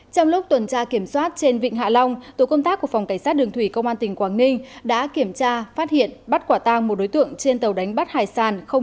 trong lúc tuần tra kiểm soát trên vịnh hạ long tổ công tác của phòng cảnh sát đường thủy công an tỉnh quảng ninh đã kiểm tra các đối tượng đối tượng đối tượng đối tượng